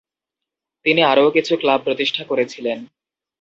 তিনি আরও কিছু ক্লাব প্রতিষ্ঠা করেছিলেন।